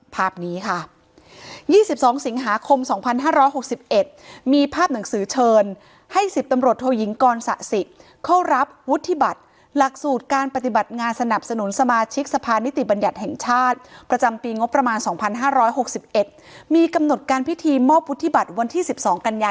ภาพนี้ค่ะยี่สิบสองสิงหาคมสองพันห้าร้อยหกสิบเอ็ดมีภาพหนังสือเชิญให้สิบตำรวจโทยิงกรศสิเข้ารับวุฒิบัตรหลักสูตรการปฏิบัติงานสนับสนุนสมาชิกสภานนิติบัญญัติแห่งชาติประจำปีงบประมาณสองพันห้าร้อยหกสิบเอ็ดมีกำหนดการพิธีมอบวุฒิบัตรวันที่สิบสองกัญญ